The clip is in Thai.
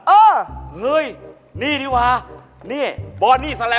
เออเฮ้ยทีนี่ดีกว่าบอดี้โสปเปร์